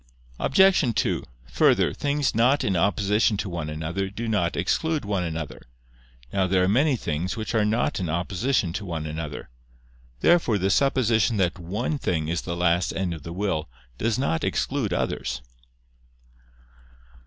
Obj. 2: Further, things not in opposition to one another do not exclude one another. Now there are many things which are not in opposition to one another. Therefore the supposition that one thing is the last end of the will does not exclude others.